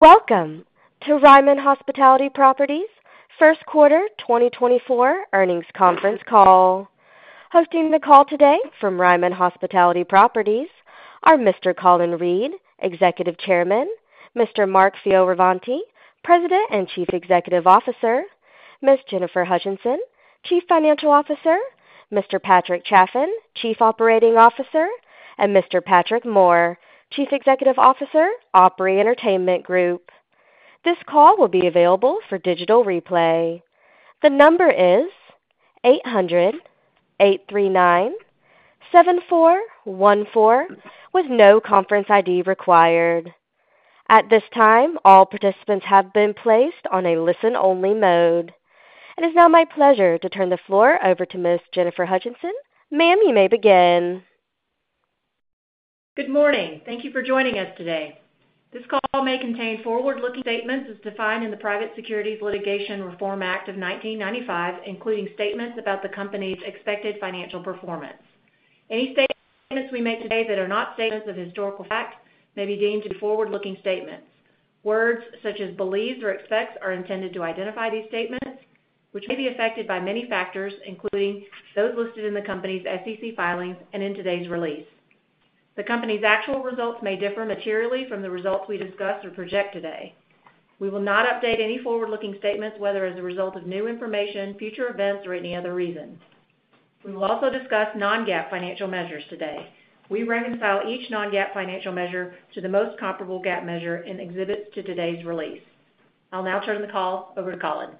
Welcome to Ryman Hospitality Properties' first quarter 2024 earnings conference call. Hosting the call today from Ryman Hospitality Properties are Mr. Colin Reed, Executive Chairman, Mr. Mark Fioravanti, President and Chief Executive Officer, Ms. Jennifer Hutcheson, Chief Financial Officer, Mr. Patrick Chaffin, Chief Operating Officer, and Mr. Patrick Moore, Chief Executive Officer, Opry Entertainment Group. This call will be available for digital replay. The number is 800-839-7414, with no conference ID required. At this time, all participants have been placed on a listen-only mode. It is now my pleasure to turn the floor over to Ms. Jennifer Hutcheson. Ma'am, you may begin. Good morning. Thank you for joining us today. This call may contain forward-looking statements as defined in the Private Securities Litigation Reform Act of 1995, including statements about the company's expected financial performance. Any statements we make today that are not statements of historical fact may be deemed to be forward-looking statements. Words such as believes or expects are intended to identify these statements, which may be affected by many factors, including those listed in the company's SEC filings and in today's release. The company's actual results may differ materially from the results we discuss or project today. We will not update any forward-looking statements, whether as a result of new information, future events, or any other reason. We will also discuss non-GAAP financial measures today. We reconcile each non-GAAP financial measure to the most comparable GAAP measure in exhibits to today's release. I'll now turn the call over to Colin.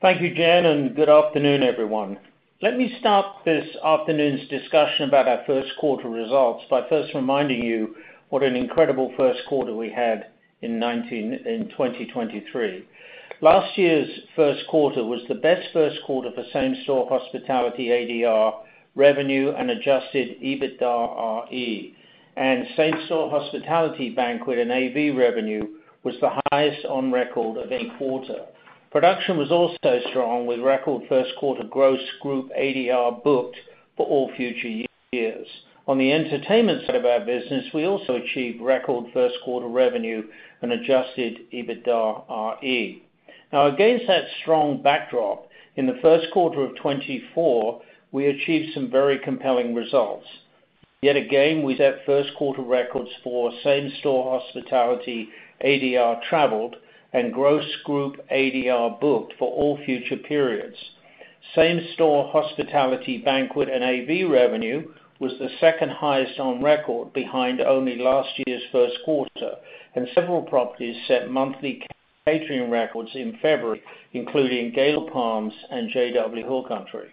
Thank you, Jen, and good afternoon, everyone. Let me start this afternoon's discussion about our first quarter results by first reminding you what an incredible first quarter we had in 2023. Last year's first quarter was the best first quarter for same-store hospitality ADR, revenue, and adjusted EBITDAre, and same-store hospitality banquet and AV revenue was the highest on record of any quarter. Production was also strong, with record first quarter gross group ADR booked for all future years. On the entertainment side of our business, we also achieved record first quarter revenue and adjusted EBITDAre. Now, against that strong backdrop, in the first quarter of 2024, we achieved some very compelling results. Yet again, we set first quarter records for same-store hospitality, ADR traveled, and gross group ADR booked for all future periods. Same-store hospitality, banquet, and AV revenue was the second highest on record, behind only last year's first quarter, and several properties set monthly catering records in February, including Gaylord Palms and JW Hill Country.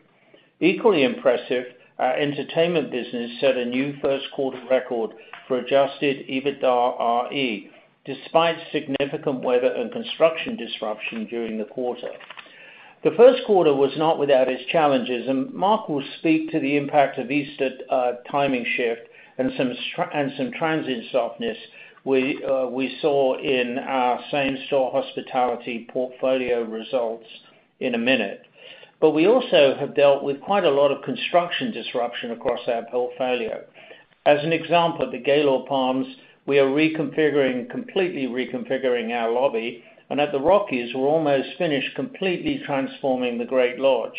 Equally impressive, our entertainment business set a new first quarter record for Adjusted EBITDAre, despite significant weather and construction disruption during the quarter. The first quarter was not without its challenges, and Mark will speak to the impact of Easter, timing shift and some transient softness we saw in our same-store hospitality portfolio results in a minute. But we also have dealt with quite a lot of construction disruption across our portfolio. As an example, at the Gaylord Palms, we are reconfiguring, completely reconfiguring our lobby, and at the Rockies, we're almost finished completely transforming the Grand Lodge.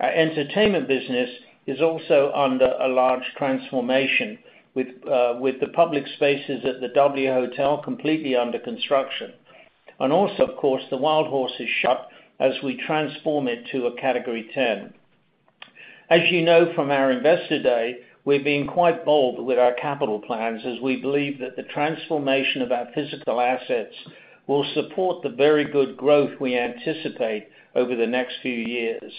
Our entertainment business is also under a large transformation, with the public spaces at the W Hotel completely under construction. And also, of course, the Wildhorse is shut as we transform it to a Category 10. As you know from our Investor Day, we're being quite bold with our capital plans, as we believe that the transformation of our physical assets will support the very good growth we anticipate over the next few years.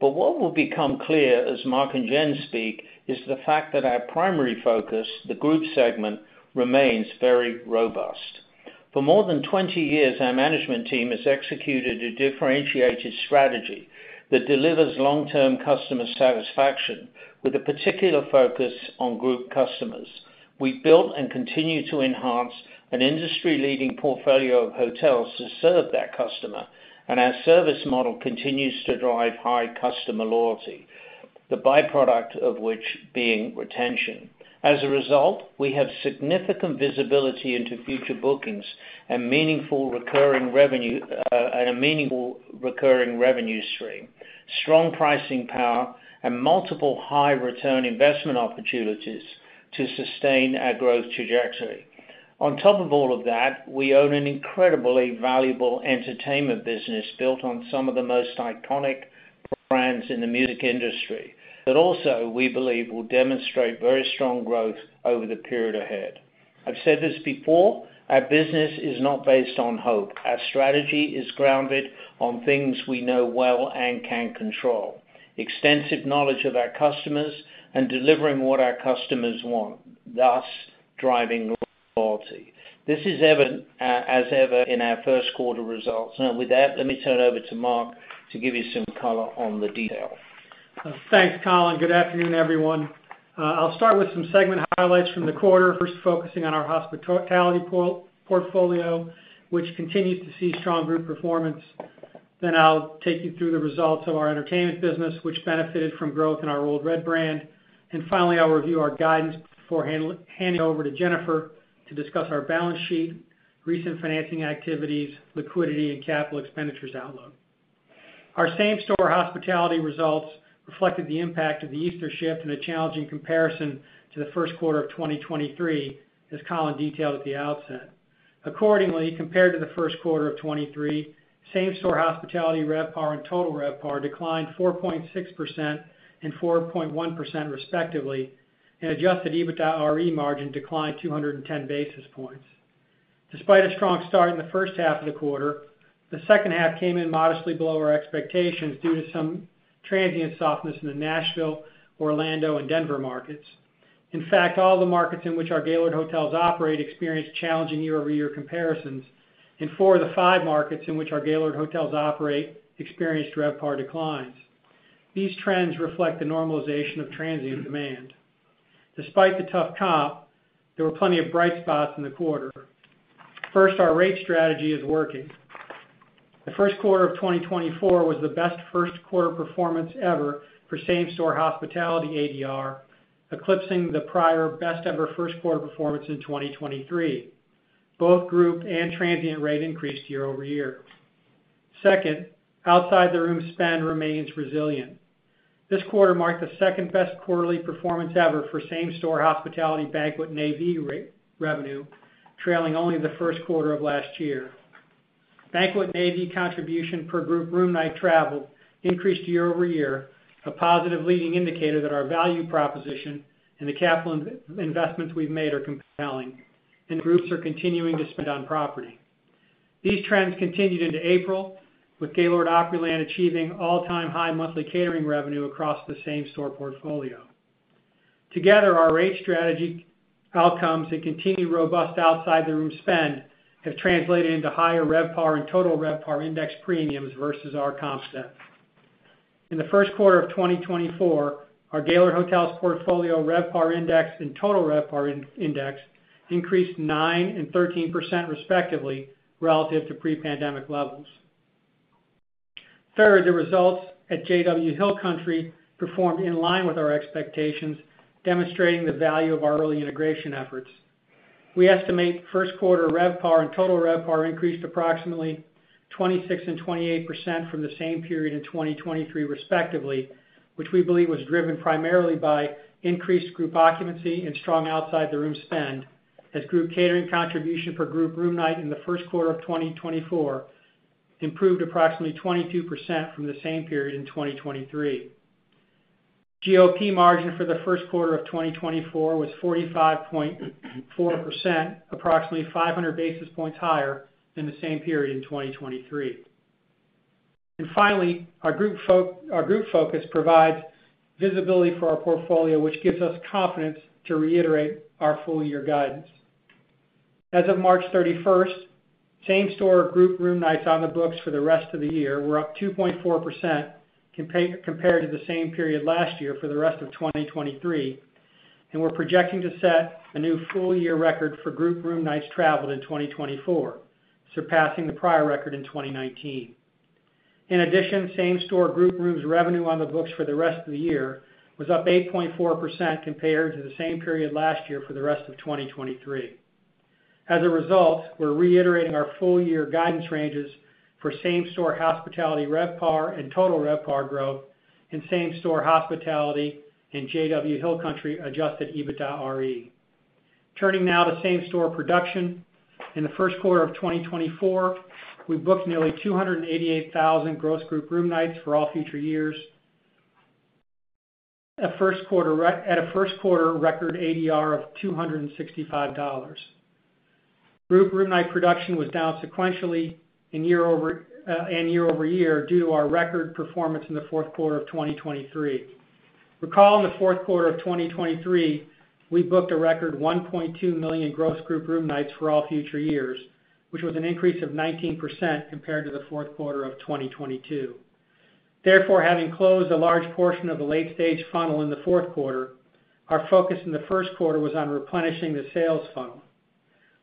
But what will become clear, as Mark and Jen speak, is the fact that our primary focus, the group segment, remains very robust. For more than 20 years, our management team has executed a differentiated strategy that delivers long-term customer satisfaction with a particular focus on group customers. We've built and continue to enhance an industry-leading portfolio of hotels to serve that customer, and our service model continues to drive high customer loyalty, the byproduct of which being retention. As a result, we have significant visibility into future bookings and meaningful recurring revenue, and a meaningful recurring revenue stream, strong pricing power, and multiple high return investment opportunities to sustain our growth trajectory. On top of all of that, we own an incredibly valuable entertainment business built on some of the most iconic brands in the music industry, but also, we believe, will demonstrate very strong growth over the period ahead. I've said this before, our business is not based on hope. Our strategy is grounded on things we know well and can control, extensive knowledge of our customers and delivering what our customers want, thus driving loyalty. This is evident, as ever in our first quarter results. Now, with that, let me turn it over to Mark to give you some color on the detail. Thanks, Colin. Good afternoon, everyone. I'll start with some segment highlights from the quarter. First, focusing on our hospitality portfolio, which continues to see strong group performance.... Then I'll take you through the results of our entertainment business, which benefited from growth in our Ole Red brand. And finally, I'll review our guidance before handing over to Jennifer to discuss our balance sheet, recent financing activities, liquidity, and capital expenditures outlook. Our same-store hospitality results reflected the impact of the Easter shift and a challenging comparison to the first quarter of 2023, as Colin detailed at the outset. Accordingly, compared to the first quarter of 2023, same-store hospitality RevPAR and total RevPAR declined 4.6% and 4.1%, respectively, and adjusted EBITDAre margin declined 210 basis points. Despite a strong start in the first half of the quarter, the second half came in modestly below our expectations due to some transient softness in the Nashville, Orlando, and Denver markets. In fact, all the markets in which our Gaylord Hotels operate experienced challenging year-over-year comparisons, and four of the five markets in which our Gaylord Hotels operate experienced RevPAR declines. These trends reflect the normalization of transient demand. Despite the tough comp, there were plenty of bright spots in the quarter. First, our rate strategy is working. The first quarter of 2024 was the best first quarter performance ever for same-store hospitality ADR, eclipsing the prior best-ever first quarter performance in 2023. Both group and transient rate increased year over year. Second, outside-the-room spend remains resilient. This quarter marked the second-best quarterly performance ever for same-store hospitality banquet and AV revenue, trailing only the first quarter of last year. Banquet NAV contribution per group room night travel increased year over year, a positive leading indicator that our value proposition and the capital investments we've made are compelling, and groups are continuing to spend on property. These trends continued into April, with Gaylord Opryland achieving all-time high monthly catering revenue across the same-store portfolio. Together, our rate strategy outcomes and continued robust outside-the-room spend have translated into higher RevPAR and total RevPAR index premiums versus our comp set. In the first quarter of 2024, our Gaylord Hotels portfolio RevPAR index and total RevPAR index increased 9% and 13%, respectively, relative to pre-pandemic levels. Third, the results at JW Hill Country performed in line with our expectations, demonstrating the value of our early integration efforts. We estimate first quarter RevPAR and total RevPAR increased approximately 26% and 28% from the same period in 2023, respectively, which we believe was driven primarily by increased group occupancy and strong outside-the-room spend, as group catering contribution per group room night in the first quarter of 2024 improved approximately 22% from the same period in 2023. GOP margin for the first quarter of 2024 was 45.4%, approximately 500 basis points higher than the same period in 2023. And finally, our group focus provides visibility for our portfolio, which gives us confidence to reiterate our full-year guidance. As of March 31st, same-store group room nights on the books for the rest of the year were up 2.4% compared to the same period last year for the rest of 2023, and we're projecting to set a new full-year record for group room nights traveled in 2024, surpassing the prior record in 2019. In addition, same-store group rooms revenue on the books for the rest of the year was up 8.4% compared to the same period last year for the rest of 2023. As a result, we're reiterating our full-year guidance ranges for same-store hospitality RevPAR and total RevPAR growth in same-store hospitality and JW Hill Country adjusted EBITDAre. Turning now to same-store production. In the first quarter of 2024, we booked nearly 288,000 gross group room nights for all future years, at a first quarter record ADR of $265. Group room night production was down sequentially and year-over-year due to our record performance in the fourth quarter of 2023. Recall, in the fourth quarter of 2023, we booked a record 1.2 million gross group room nights for all future years, which was an increase of 19% compared to the fourth quarter of 2022. Therefore, having closed a large portion of the late-stage funnel in the fourth quarter, our focus in the first quarter was on replenishing the sales funnel.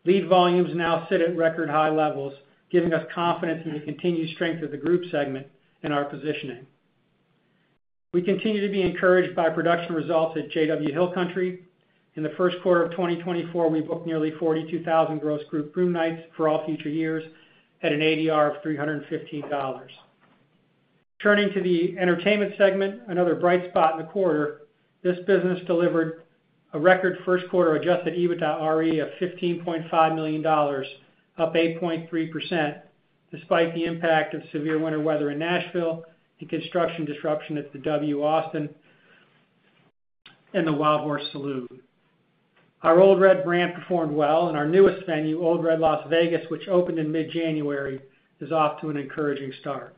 Lead volumes now sit at record high levels, giving us confidence in the continued strength of the group segment and our positioning. We continue to be encouraged by production results at JW Hill Country. In the first quarter of 2024, we booked nearly 42,000 gross group room nights for all future years at an ADR of $315. Turning to the entertainment segment, another bright spot in the quarter, this business delivered a record first quarter Adjusted EBITDAre of $15.5 million, up 8.3%, despite the impact of severe winter weather in Nashville and construction disruption at the W Austin and the Wildhorse Saloon. Our Ole Red brand performed well, and our newest venue, Ole Red Las Vegas, which opened in mid-January, is off to an encouraging start.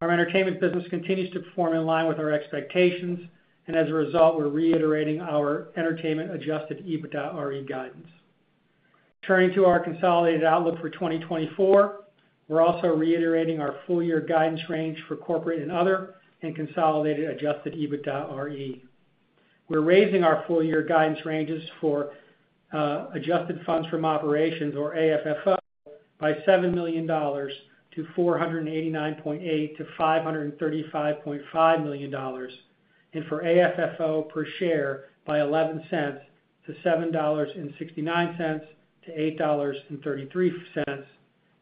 Our entertainment business continues to perform in line with our expectations, and as a result, we're reiterating our entertainment adjusted EBITDAre guidance. Turning to our consolidated outlook for 2024, we're also reiterating our full-year guidance range for corporate and other and consolidated adjusted EBITDAre. We're raising our full year guidance ranges for adjusted funds from operations, or AFFO, by $7 million-$489.8 million-$535.5 million, and for AFFO per share by $0.11-$7.69-$8.33,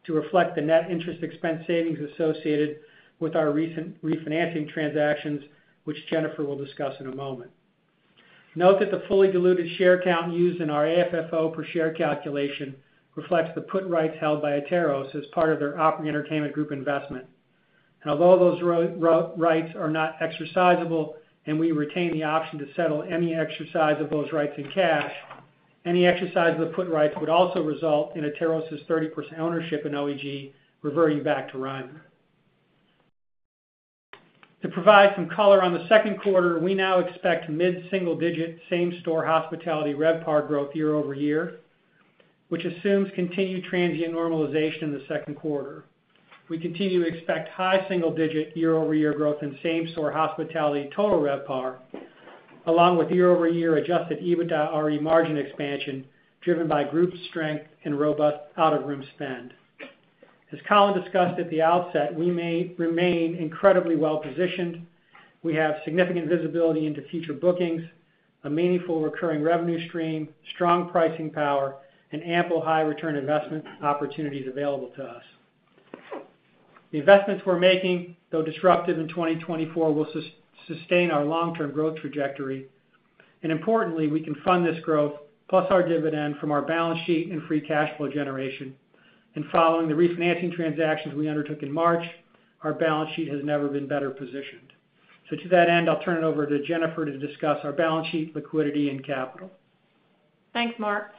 to reflect the net interest expense savings associated with our recent refinancing transactions, which Jennifer will discuss in a moment. Note that the fully diluted share count used in our AFFO per share calculation reflects the put rights held by Atairos as part of their Opry Entertainment Group investment. And although those rights are not exercisable, and we retain the option to settle any exercise of those rights in cash, any exercise of the put rights would also result in Atairos's 30% ownership in OEG reverting back to Ryman. To provide some color on the second quarter, we now expect mid-single digit, same-store hospitality RevPAR growth year-over-year, which assumes continued transient normalization in the second quarter. We continue to expect high single digit year-over-year growth in same-store hospitality total RevPAR, along with year-over-year Adjusted EBITDAre margin expansion, driven by group strength and robust out-of-room spend. As Colin discussed at the outset, we may remain incredibly well-positioned. We have significant visibility into future bookings, a meaningful recurring revenue stream, strong pricing power, and ample high return investment opportunities available to us. The investments we're making, though disruptive in 2024, will sustain our long-term growth trajectory. Importantly, we can fund this growth, plus our dividend from our balance sheet and free cash flow generation. Following the refinancing transactions we undertook in March, our balance sheet has never been better positioned. To that end, I'll turn it over to Jennifer to discuss our balance sheet, liquidity, and capital. Thanks, Mark.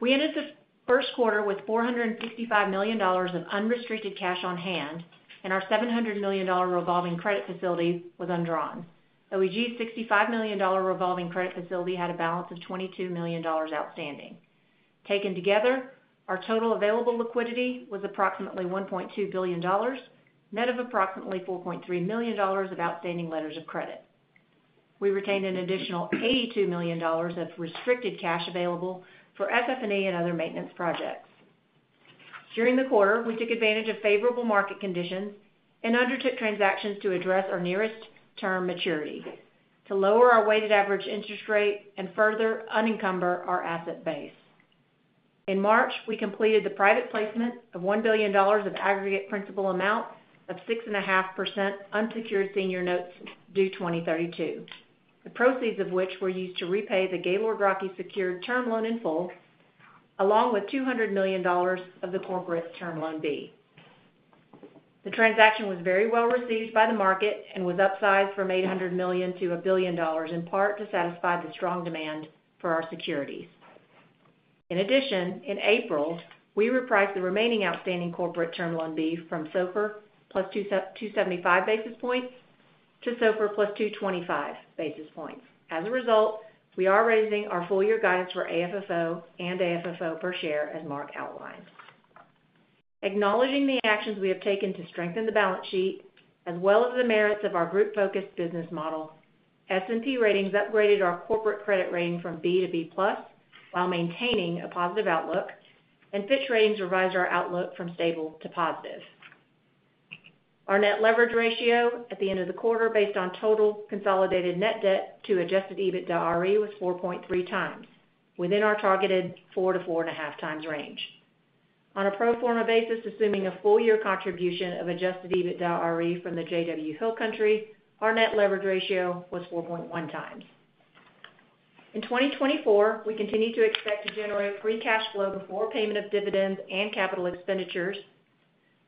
We ended the first quarter with $455 million of unrestricted cash on hand, and our $700 million revolving credit facility was undrawn. OEG's $65 million revolving credit facility had a balance of $22 million outstanding. Taken together, our total available liquidity was approximately $1.2 billion, net of approximately $4.3 million of outstanding letters of credit. We retained an additional $82 million of restricted cash available for FF&E and other maintenance projects. During the quarter, we took advantage of favorable market conditions and undertook transactions to address our nearest term maturity, to lower our weighted average interest rate and further unencumber our asset base. In March, we completed the private placement of $1 billion of aggregate principal amount of 6.5% unsecured senior notes due 2032. The proceeds of which were used to repay the Gaylord Rockies secured term loan in full, along with $200 million of the corporate term loan B. The transaction was very well received by the market and was upsized from $800 million-$1 billion, in part to satisfy the strong demand for our securities. In addition, in April, we repriced the remaining outstanding corporate term loan B from SOFR +275 basis points to SOFR +225 basis points. As a result, we are raising our full year guidance for AFFO and AFFO per share, as Mark outlined. Acknowledging the actions we have taken to strengthen the balance sheet, as well as the merits of our group-focused business model, S&P Ratings upgraded our corporate credit rating from B to B plus, while maintaining a positive outlook, and Fitch Ratings revised our outlook from stable to positive. Our net leverage ratio at the end of the quarter, based on total consolidated net debt to adjusted EBITDAre, was 4.3 times, within our targeted 4-4.5 times range. On a pro forma basis, assuming a full year contribution of adjusted EBITDAre from the JW Hill Country, our net leverage ratio was 4.1 times. In 2024, we continue to expect to generate free cash flow before payment of dividends and capital expenditures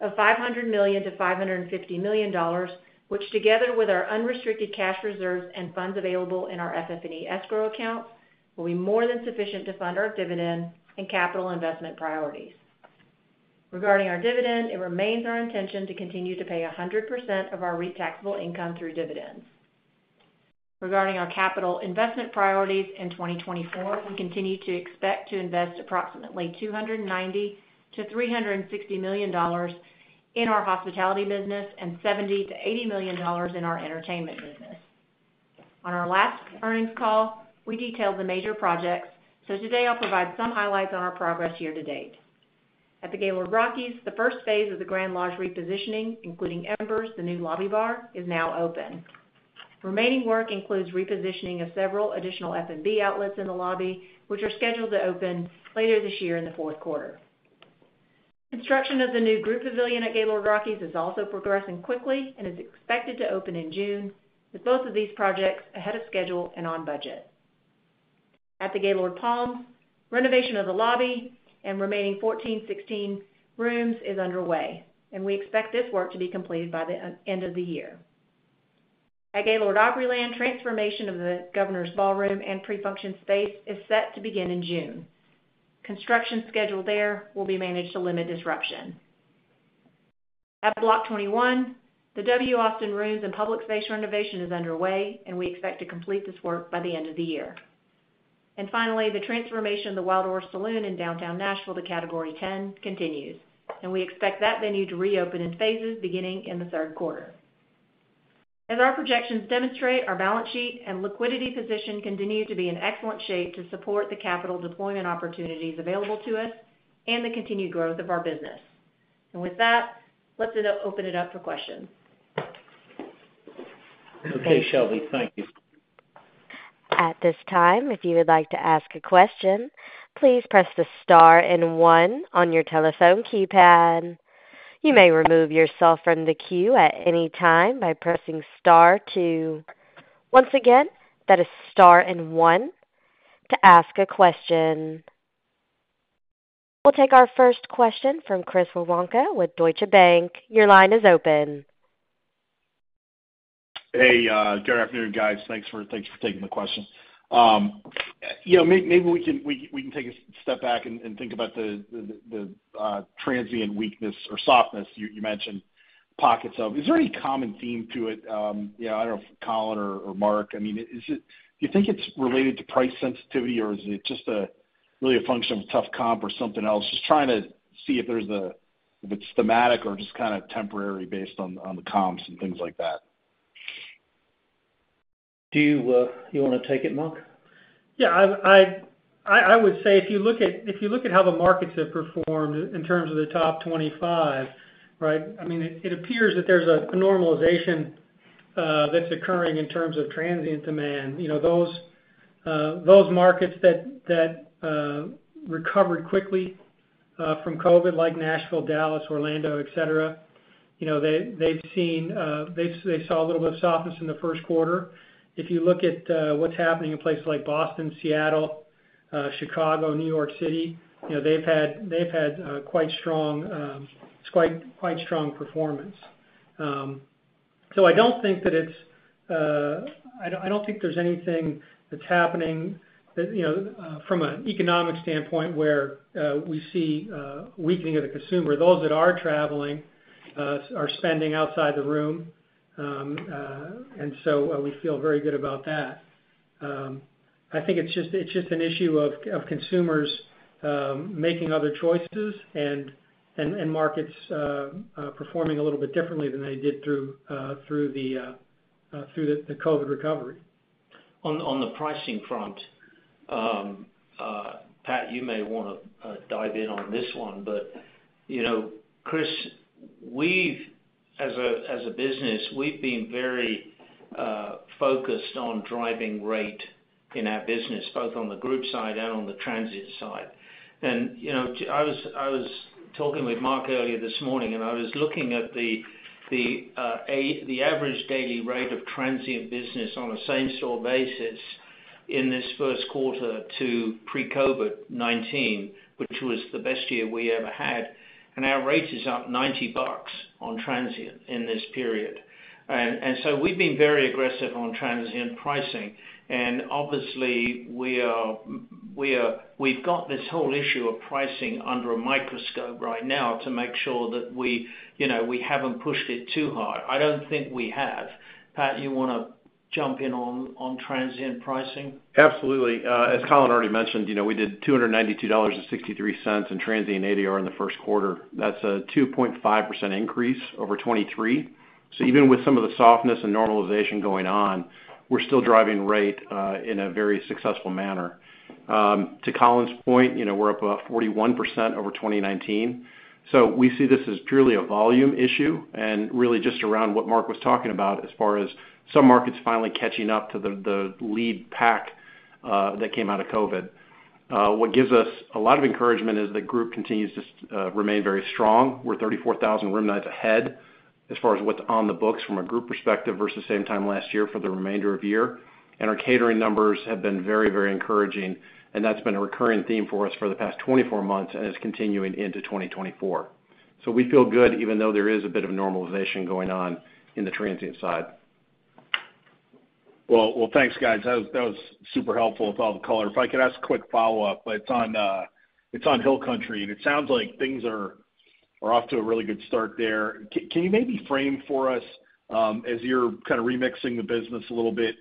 of $500 million-$550 million, which, together with our unrestricted cash reserves and funds available in our FF&E escrow accounts, will be more than sufficient to fund our dividend and capital investment priorities. Regarding our dividend, it remains our intention to continue to pay 100% of our REIT taxable income through dividends. Regarding our capital investment priorities in 2024, we continue to expect to invest approximately $290 million-$360 million in our hospitality business and $70 million-$80 million in our entertainment business. On our last earnings call, we detailed the major projects, so today I'll provide some highlights on our progress year to date. At the Gaylord Rockies, the first phase of the Grand Lodge repositioning, including Embers, the new lobby bar, is now open. Remaining work includes repositioning of several additional F&B outlets in the lobby, which are scheduled to open later this year in the fourth quarter. Construction of the new group pavilion at Gaylord Rockies is also progressing quickly and is expected to open in June, with both of these projects ahead of schedule and on budget. At the Gaylord Palms, renovation of the lobby and remaining 14-16 rooms is underway, and we expect this work to be completed by the end of the year. At Gaylord Opryland, transformation of the Governor's Ballroom and pre-function space is set to begin in June. Construction schedule there will be managed to limit disruption. At Block 21, the W Austin rooms and public space renovation is underway, and we expect to complete this work by the end of the year.... And finally, the transformation of the Wildhorse Saloon in downtown Nashville to Category 10 continues, and we expect that venue to reopen in phases beginning in the third quarter. As our projections demonstrate, our balance sheet and liquidity position continue to be in excellent shape to support the capital deployment opportunities available to us and the continued growth of our business. And with that, let's open it up for questions. Okay, Shelby, thank you. At this time, if you would like to ask a question, please press the star and one on your telephone keypad. You may remove yourself from the queue at any time by pressing star two. Once again, that is star and one to ask a question. We'll take our first question from Chris Woronka with Deutsche Bank. Your line is open. Hey, good afternoon, guys. Thanks for taking the question. You know, maybe we can take a step back and think about the transient weakness or softness you mentioned pockets of. Is there any common theme to it? Yeah, I don't know if Colin or Mark. I mean, is it - do you think it's related to price sensitivity, or is it just really a function of tough comp or something else? Just trying to see if there's if it's thematic or just kind of temporary based on the comps and things like that. Do you, you wanna take it, Mark? Yeah, I would say if you look at, if you look at how the markets have performed in terms of the top 25, right? I mean, it appears that there's a normalization that's occurring in terms of transient demand. You know, those markets that recovered quickly from COVID, like Nashville, Dallas, Orlando, et cetera, you know, they've seen, they saw a little bit of softness in the first quarter. If you look at what's happening in places like Boston, Seattle, Chicago, New York City, you know, they've had quite strong, quite strong performance. So I don't think that it's... I don't think there's anything that's happening that, you know, from an economic standpoint, where we see a weakening of the consumer. Those that are traveling are spending outside the room. And so we feel very good about that. I think it's just an issue of consumers making other choices and markets performing a little bit differently than they did through the COVID recovery. On the pricing front, Pat, you may wanna dive in on this one, but you know, Chris, we've, as a business, we've been very focused on driving rate in our business, both on the group side and on the transient side. And you know, I was talking with Mark earlier this morning, and I was looking at the average daily rate of transient business on a same-store basis in this first quarter to pre-COVID-19, which was the best year we ever had, and our rate is up $90 on transient in this period. And so we've been very aggressive on transient pricing, and obviously, we are. We've got this whole issue of pricing under a microscope right now to make sure that we, you know, we haven't pushed it too hard. I don't think we have. Pat, you wanna jump in on transient pricing? Absolutely. As Colin already mentioned, you know, we did $292.63 in transient ADR in the first quarter. That's a 2.5% increase over 2023. So even with some of the softness and normalization going on, we're still driving rate in a very successful manner. To Colin's point, you know, we're up about 41% over 2019. So we see this as purely a volume issue and really just around what Mark was talking about as far as some markets finally catching up to the lead pack that came out of COVID. What gives us a lot of encouragement is the group continues to remain very strong. We're 34,000 room nights ahead as far as what's on the books from a group perspective versus same time last year for the remainder of the year. And our catering numbers have been very, very encouraging, and that's been a recurring theme for us for the past 24 months and is continuing into 2024. So we feel good, even though there is a bit of normalization going on in the transient side. Well, well, thanks, guys. That was, that was super helpful with all the color. If I could ask a quick follow-up, but it's on, it's on Hill Country, and it sounds like things are, are off to a really good start there. Can you maybe frame for us, as you're kind of remixing the business a little bit,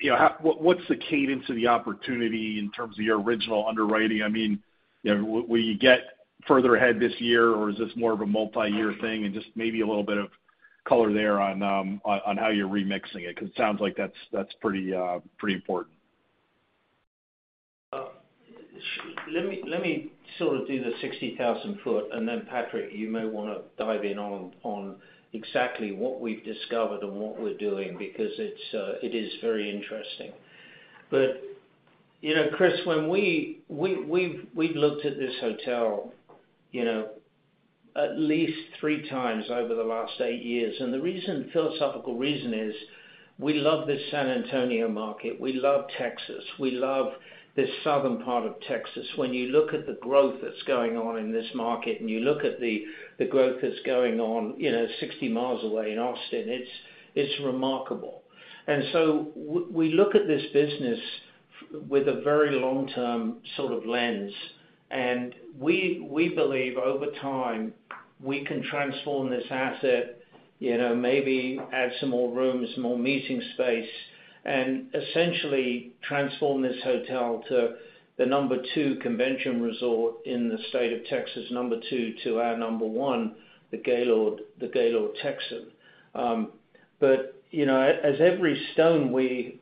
you know, what's the cadence of the opportunity in terms of your original underwriting? I mean, you know, will you get further ahead this year, or is this more of a multi-year thing? And just maybe a little bit of color there on, on how you're remixing it, because it sounds like that's, that's pretty, pretty important. Let me sort of do the 60,000-foot, and then, Patrick, you may wanna dive in on exactly what we've discovered and what we're doing, because it is very interesting. But, you know, Chris, when we've looked at this hotel, you know, at least three times over the last 8 years, and the reason, philosophical reason is, we love this San Antonio market. We love Texas. We love this southern part of Texas. When you look at the growth that's going on in this market, and you look at the growth that's going on, you know, 60 miles away in Austin, it's remarkable. And so we look at this business with a very long-term sort of lens, and we believe over time-... We can transform this asset, you know, maybe add some more rooms, more meeting space, and essentially transform this hotel to the number two convention resort in the state of Texas. Number two, to our number one, the Gaylord, the Gaylord Texan. But, you know, as every stone we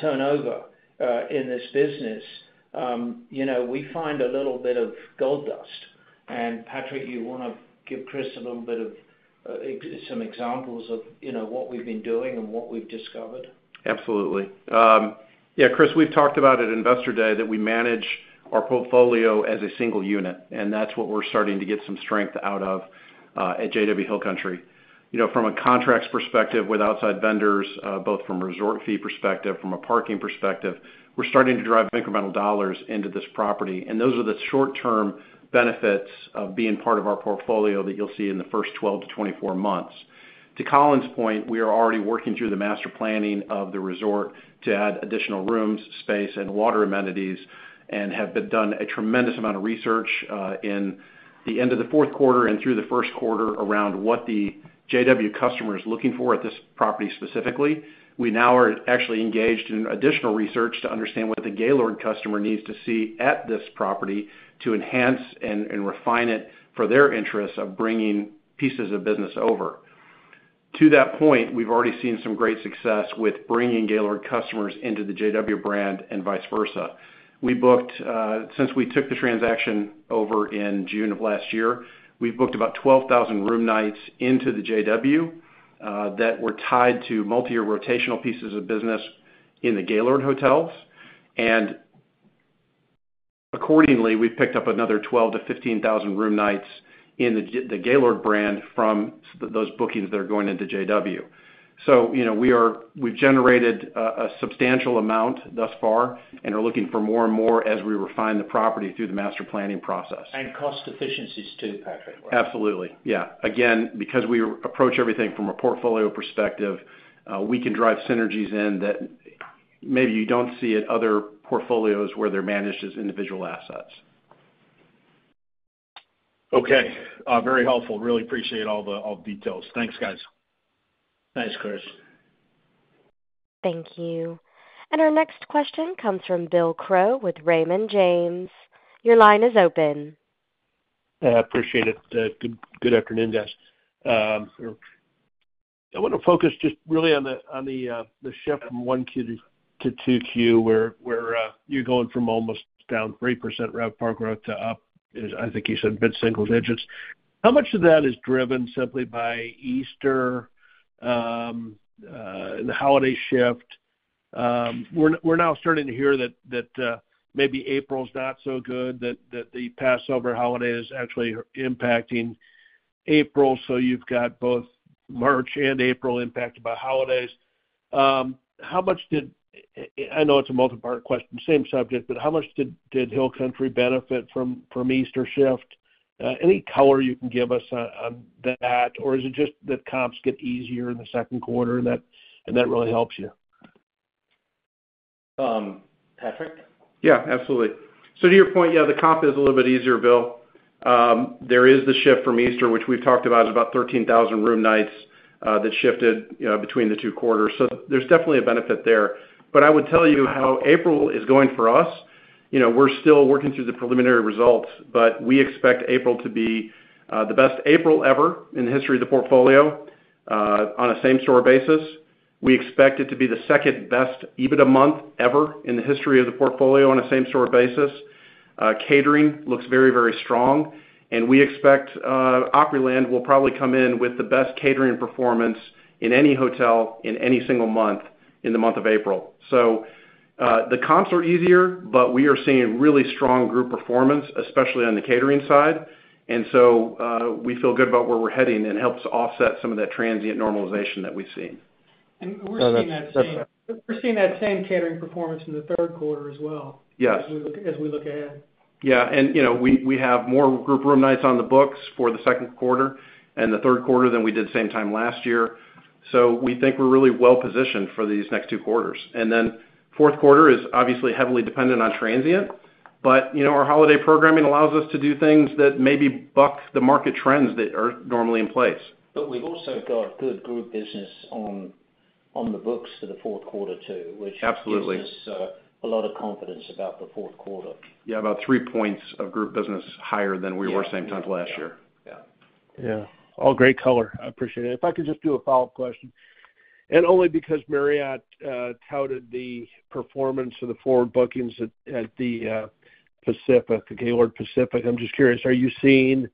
turn over in this business, you know, we find a little bit of gold dust. And, Patrick, you wanna give Chris a little bit of some examples of, you know, what we've been doing and what we've discovered? Absolutely. Yeah, Chris, we've talked about at Investor Day that we manage our portfolio as a single unit, and that's what we're starting to get some strength out of at JW Hill Country. You know, from a contracts perspective, with outside vendors, both from a resort fee perspective, from a parking perspective, we're starting to drive incremental dollars into this property. And those are the short-term benefits of being part of our portfolio that you'll see in the first 12-24 months. To Colin's point, we are already working through the master planning of the resort to add additional rooms, space, and water amenities, and have done a tremendous amount of research in the end of the fourth quarter and through the first quarter around what the JW customer is looking for at this property specifically. We now are actually engaged in additional research to understand what the Gaylord customer needs to see at this property to enhance and refine it for their interests of bringing pieces of business over. To that point, we've already seen some great success with bringing Gaylord customers into the JW brand and vice versa. We booked, since we took the transaction over in June of last year, we've booked about 12,000 room nights into the JW that were tied to multi-year rotational pieces of business in the Gaylord hotels. And accordingly, we've picked up another 12,000-15,000 room nights in the Gaylord brand from those bookings that are going into JW. So, you know, we've generated a substantial amount thus far and are looking for more and more as we refine the property through the master planning process. Cost efficiencies, too, Patrick. Absolutely. Yeah. Again, because we approach everything from a portfolio perspective, we can drive synergies in that maybe you don't see at other portfolios where they're managed as individual assets. Okay, very helpful. Really appreciate all the details. Thanks, guys. Thanks, Chris. Thank you. And our next question comes from Bill Crow with Raymond James. Your line is open. Appreciate it. Good afternoon, guys. I wanna focus just really on the shift from 1Q to 2Q, where you're going from almost down 3% RevPAR growth to up, as I think you said, mid-single digits. How much of that is driven simply by Easter and the holiday shift? We're now starting to hear that maybe April's not so good, that the Passover holiday is actually impacting April, so you've got both March and April impacted by holidays. How much did... I know it's a multi-part question, same subject, but how much did Hill Country benefit from Easter shift? Any color you can give us on that, or is it just that comps get easier in the second quarter, and that really helps you? Um, Patrick? Yeah, absolutely. So to your point, yeah, the comp is a little bit easier, Bill. There is the shift from Easter, which we've talked about, is about 13,000 room nights, that shifted, you know, between the two quarters. So there's definitely a benefit there. But I would tell you how April is going for us, you know, we're still working through the preliminary results, but we expect April to be the best April ever in the history of the portfolio on a same store basis. We expect it to be the second best EBITDA month ever in the history of the portfolio on a same store basis. Catering looks very, very strong, and we expect Opryland will probably come in with the best catering performance in any hotel, in any single month, in the month of April. The comps are easier, but we are seeing really strong group performance, especially on the catering side, and so, we feel good about where we're heading, and it helps offset some of that transient normalization that we've seen. And we're seeing that- That's- We're seeing that same catering performance in the third quarter as well. Yes... as we look ahead. Yeah, and, you know, we, we have more group room nights on the books for the second quarter and the third quarter than we did same time last year. So we think we're really well positioned for these next two quarters. And then fourth quarter is obviously heavily dependent on transient, but, you know, our holiday programming allows us to do things that maybe buck the market trends that are normally in place. But we've also got good group business on the books for the fourth quarter, too, which- Absolutely... gives us a lot of confidence about the fourth quarter. Yeah, about 3 points of group business higher than we were- Yeah... same time last year. Yeah. Yeah. All great color. I appreciate it. If I could just do a follow-up question, and only because Marriott touted the performance of the forward bookings at the Pacific, the Gaylord Pacific, I'm just curious, are you seeing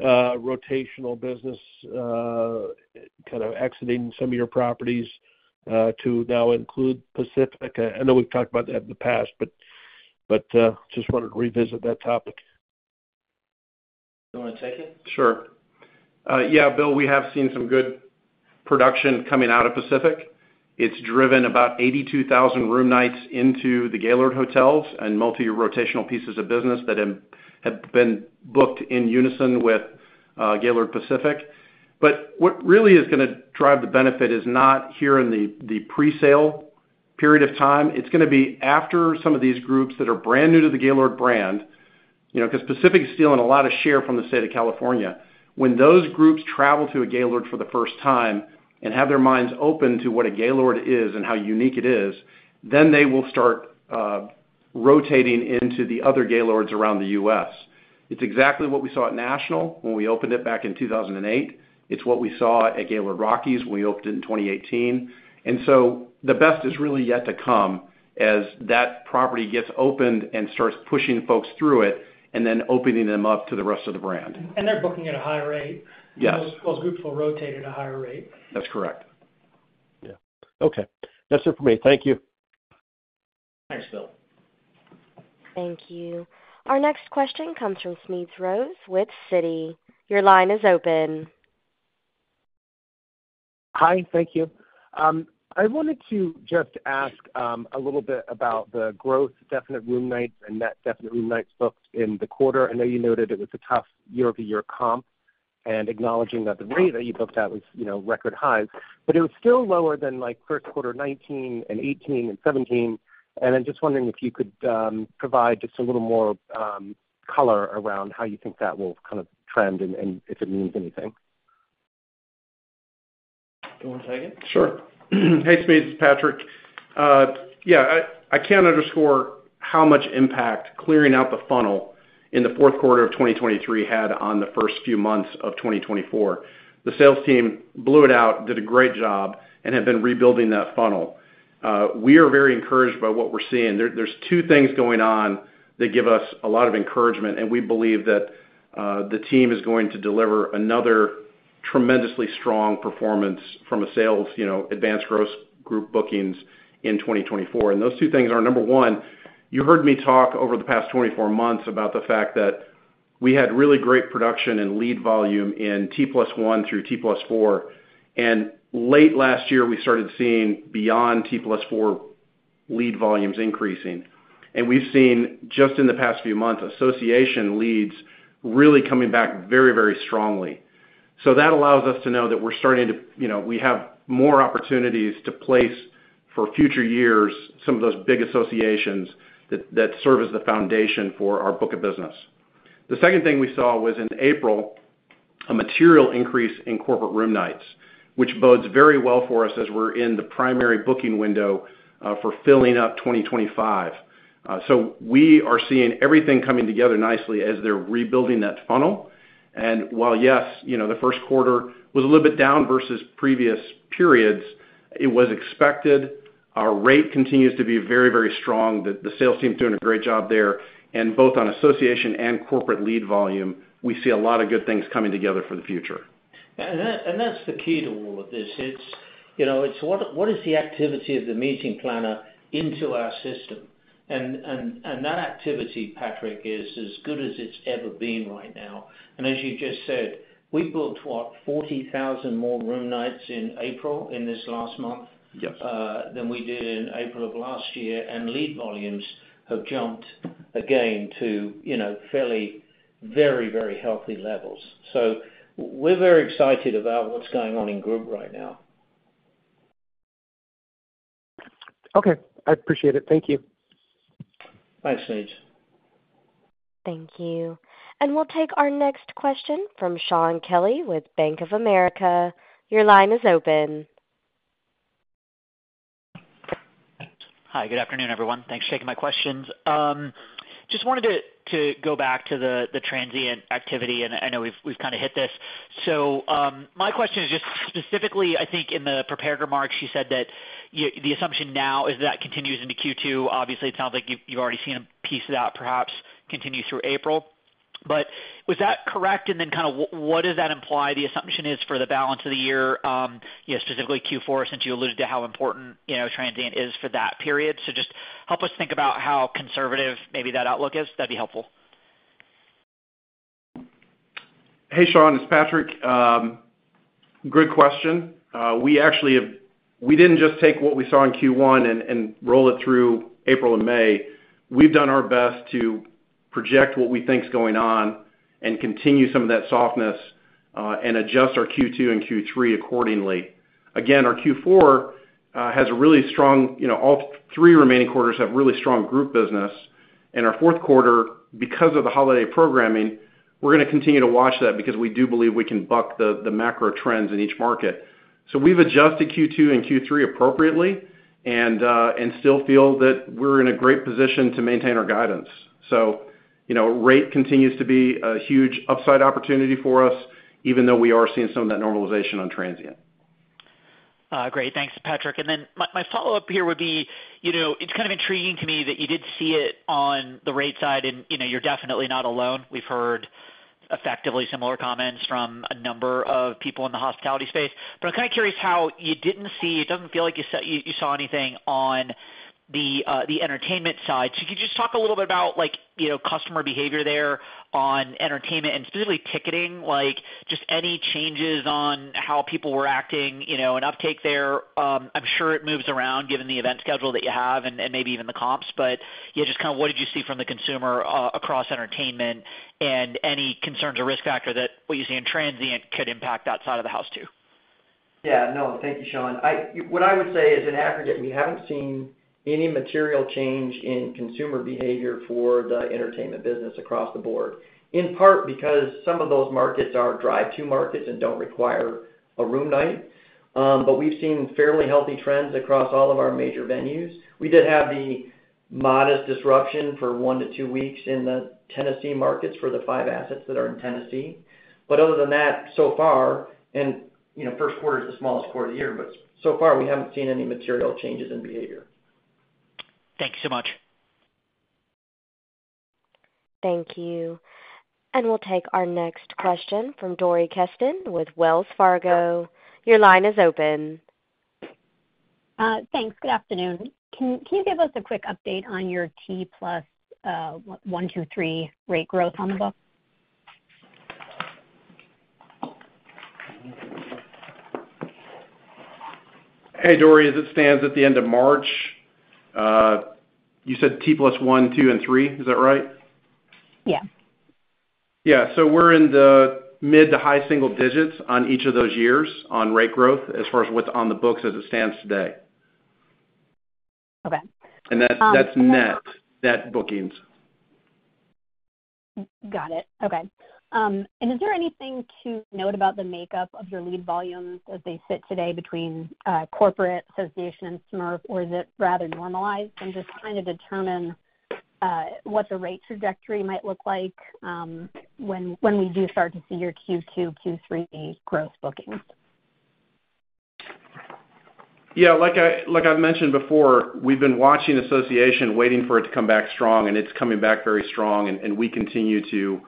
rotational business kind of exiting some of your properties to now include Pacific? I know we've talked about that in the past, but just wanted to revisit that topic. You want to take it? Sure. Yeah, Bill, we have seen some good production coming out of Pacific. It's driven about 82,000 room nights into the Gaylord Hotels and multi-rotational pieces of business that have, have been booked in unison with Gaylord Pacific. But what really is gonna drive the benefit is not here in the, the presale period of time. It's gonna be after some of these groups that are brand new to the Gaylord brand, you know, because Pacific is stealing a lot of share from the state of California. When those groups travel to a Gaylord for the first time and have their minds open to what a Gaylord is and how unique it is, then they will start rotating into the other Gaylords around the U.S. It's exactly what we saw at National when we opened it back in 2008. It's what we saw at Gaylord Rockies when we opened it in 2018. And so the best is really yet to come as that property gets opened and starts pushing folks through it and then opening them up to the rest of the brand. They're booking at a high rate. Yes. Those groups will rotate at a higher rate. That's correct. Yeah. Okay. That's it for me. Thank you. Thanks, Bill. Thank you. Our next question comes from Smedes Rose with Citi. Your line is open. Hi, thank you. I wanted to just ask a little bit about the growth, definite room nights and net definite room nights booked in the quarter. I know you noted it was a tough year-over-year comp, and acknowledging that the rate that you booked at was, you know, record highs. But it was still lower than, like, first quarter 2019 and 2018 and 2017. And I'm just wondering if you could provide just a little more color around how you think that will kind of trend and if it means anything. You want to take it? Sure. Hey, Smedes, it's Patrick. Yeah, I can't underscore how much impact clearing out the funnel in the fourth quarter of 2023 had on the first few months of 2024. The sales team blew it out, did a great job, and have been rebuilding that funnel. We are very encouraged by what we're seeing. There's two things going on that give us a lot of encouragement, and we believe that the team is going to deliver another tremendously strong performance from a sales, you know, advanced growth group bookings in 2024. And those two things are, number one, you heard me talk over the past 24 months about the fact that we had really great production and lead volume in T+1 through T+4. Late last year, we started seeing beyond T+4 lead volumes increasing. We've seen, just in the past few months, association leads really coming back very, very strongly. So that allows us to know that we're starting to—you know, we have more opportunities to place for future years, some of those big associations that serve as the foundation for our book of business. The second thing we saw was in April, a material increase in corporate room nights, which bodes very well for us as we're in the primary booking window for filling up 2025. So we are seeing everything coming together nicely as they're rebuilding that funnel. While, yes, you know, the first quarter was a little bit down versus previous periods, it was expected. Our rate continues to be very, very strong. The sales team is doing a great job there, and both on association and corporate lead volume, we see a lot of good things coming together for the future. That's the key to all of this. It's, you know, what is the activity of the meeting planner into our system? And that activity, Patrick, is as good as it's ever been right now. And as you just said, we booked 40,000 more room nights in April, in this last month- Yes... than we did in April of last year, and lead volumes have jumped again to, you know, fairly, very, very healthy levels. So we're very excited about what's going on in group right now. Okay, I appreciate it. Thank you. Bye, Smeeds. Thank you. We'll take our next question from Shaun Kelley with Bank of America. Your line is open. Hi, good afternoon, everyone. Thanks for taking my questions. Just wanted to go back to the transient activity, and I know we've kind of hit this. So, my question is just specifically, I think in the prepared remarks, you said that the assumption now is that continues into Q2. Obviously, it sounds like you've already seen a piece of that perhaps continue through April. But was that correct? And then kind of what does that imply the assumption is for the balance of the year, you know, specifically Q4, since you alluded to how important, you know, transient is for that period. So just help us think about how conservative maybe that outlook is. That'd be helpful. Hey, Shaun it's Patrick. Good question. We actually have—we didn't just take what we saw in Q1 and, and roll it through April and May. We've done our best to project what we think is going on and continue some of that softness, and adjust our Q2 and Q3 accordingly. Again, our Q4 has a really strong... You know, all three remaining quarters have really strong group business. And our fourth quarter, because of the holiday programming, we're gonna continue to watch that because we do believe we can buck the, the macro trends in each market. So we've adjusted Q2 and Q3 appropriately, and still feel that we're in a great position to maintain our guidance. So, you know, rate continues to be a huge upside opportunity for us, even though we are seeing some of that normalization on transient. Great. Thanks, Patrick. And then my, my follow-up here would be, you know, it's kind of intriguing to me that you did see it on the rate side, and, you know, you're definitely not alone. We've heard effectively similar comments from a number of people in the hospitality space. But I'm kind of curious how you didn't see, it doesn't feel like you saw, you, you saw anything on the, the entertainment side. So could you just talk a little bit about like, you know, customer behavior there on entertainment and specifically ticketing? Like, just any changes on how people were acting, you know, and uptake there. I'm sure it moves around given the event schedule that you have and, and maybe even the comps, but, yeah, just kind of what did you see from the consumer, across entertainment and any concerns or risk factor that what you see in transient could impact that side of the house, too?... Yeah, no, thank you, Shaun. I, what I would say is, in aggregate, we haven't seen any material change in consumer behavior for the entertainment business across the board, in part because some of those markets are drive-to markets and don't require a room night. But we've seen fairly healthy trends across all of our major venues. We did have the modest disruption for 1-2 weeks in the Tennessee markets for the 5 assets that are in Tennessee. But other than that, so far, and, you know, first quarter is the smallest quarter of the year, but so far, we haven't seen any material changes in behavior. Thanks so much. Thank you. And we'll take our next question from Dori Kesten with Wells Fargo. Your line is open. Thanks. Good afternoon. Can you give us a quick update on your T plus 1, 2, 3 rate growth on the book? Hey, Dori. As it stands at the end of March, you said T plus one, two, and three, is that right? Yeah. Yeah, so we're in the mid to high single digits on each of those years on rate growth as far as what's on the books as it stands today. Okay. Um- That's net bookings. Got it. Okay. Is there anything to note about the makeup of your lead volumes as they sit today between corporate, association, and SMERF, or is it rather normalized? I'm just trying to determine what the rate trajectory might look like when, when we do start to see your Q2, Q3 growth bookings. Yeah, like I've mentioned before, we've been watching association, waiting for it to come back strong, and it's coming back very strong. And we continue to, you know,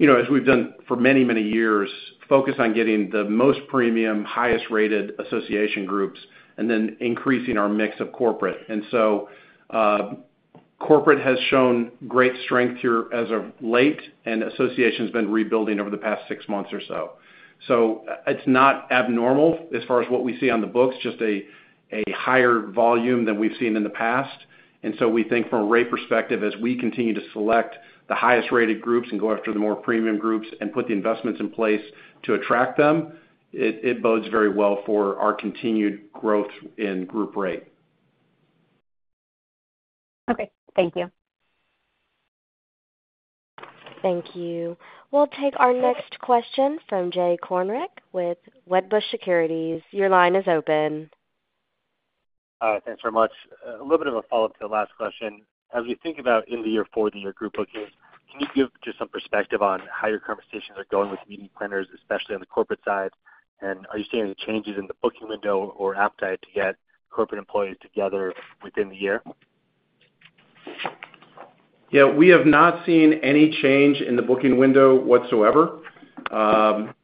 as we've done for many, many years, focus on getting the most premium, highest-rated association groups and then increasing our mix of corporate. And so, corporate has shown great strength here as of late, and association's been rebuilding over the past six months or so. So it's not abnormal as far as what we see on the books, just a higher volume than we've seen in the past. And so we think from a rate perspective, as we continue to select the highest-rated groups and go after the more premium groups and put the investments in place to attract them, it bodes very well for our continued growth in group rate. Okay, thank you. Thank you. We'll take our next question from Jay Kornreich with Wedbush Securities. Your line is open. Thanks very much. A little bit of a follow-up to the last question. As you think about in the year for the year group bookings, can you give just some perspective on how your conversations are going with meeting planners, especially on the corporate side? And are you seeing any changes in the booking window or appetite to get corporate employees together within the year? Yeah, we have not seen any change in the booking window whatsoever. I'm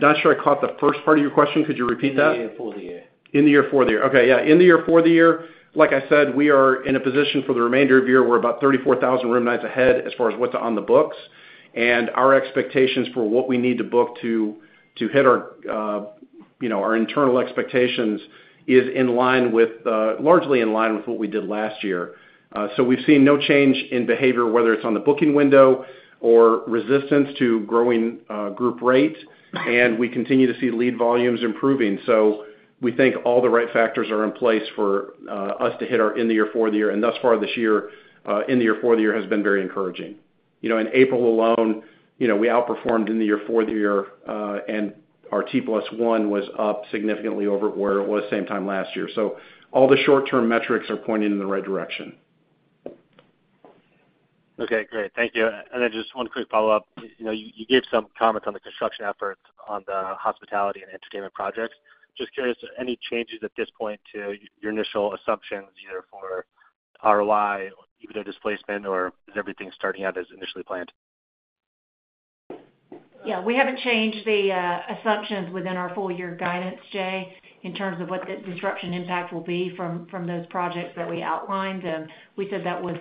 not sure I caught the first part of your question. Could you repeat that? In the year, for the year. In the year, for the year. Okay, yeah. In the year, for the year, like I said, we are in a position for the remainder of the year, we're about 34,000 room nights ahead as far as what's on the books. And our expectations for what we need to book to, to hit our, you know, our internal expectations is in line with, largely in line with what we did last year. So we've seen no change in behavior, whether it's on the booking window or resistance to growing, group rate, and we continue to see lead volumes improving. So we think all the right factors are in place for, us to hit our in the year, for the year, and thus far this year, in the year, for the year has been very encouraging. You know, in April alone, you know, we outperformed in the year for the year, and our T plus one was up significantly over where it was same time last year. So all the short-term metrics are pointing in the right direction. Okay, great. Thank you. And then just one quick follow-up. You know, you gave some comments on the construction efforts on the hospitality and entertainment projects. Just curious, any changes at this point to your initial assumptions, either for ROI, even though displacement, or is everything starting out as initially planned? Yeah. We haven't changed the assumptions within our full year guidance, Jay, in terms of what the disruption impact will be from those projects that we outlined. We said that was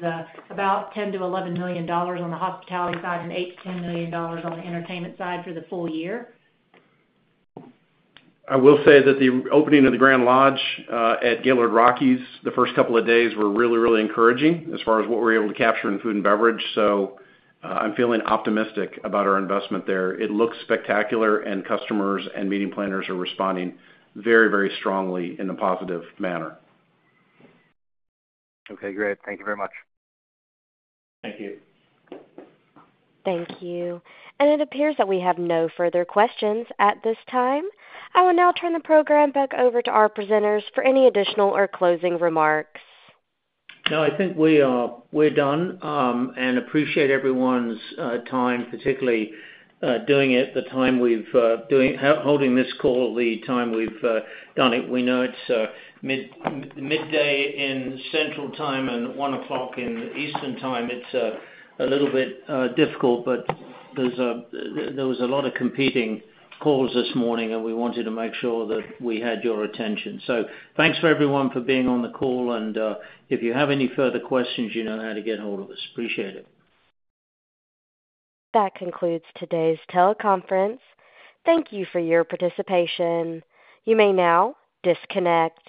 about $10 million-$11 million on the hospitality side and $8 million-$10 million on the entertainment side for the full year. I will say that the opening of the Grand Lodge, at Gaylord Rockies, the first couple of days were really, really encouraging as far as what we're able to capture in food and beverage, so, I'm feeling optimistic about our investment there. It looks spectacular, and customers and meeting planners are responding very, very strongly in a positive manner. Okay, great. Thank you very much. Thank you. Thank you. It appears that we have no further questions at this time. I will now turn the program back over to our presenters for any additional or closing remarks. No, I think we're done, and appreciate everyone's time, particularly the time we've holding this call, the time we've done it. We know it's midday in Central Time and 1:00 P.M. in Eastern Time. It's a little bit difficult, but there was a lot of competing calls this morning, and we wanted to make sure that we had your attention. So thanks for everyone for being on the call, and if you have any further questions, you know how to get a hold of us. Appreciate it. That concludes today's teleconference. Thank you for your participation. You may now disconnect.